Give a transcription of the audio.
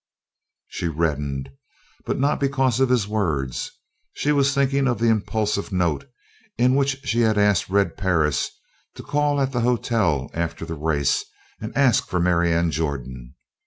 She reddened, but not because of his words. She was thinking of the impulsive note in which she asked Red Perris to call at the hotel after the race and ask for Marianne Jordan.